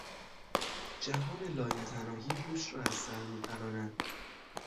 جهان لایتناهی هوش را از سر میپراند.